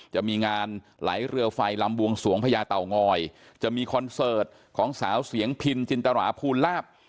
จะมีงานไหลเรือไฟลำบวงสวงพญาเต่างอยจะมีคอนเสิร์ตของสาวเสียงพินจินตราภูลาภ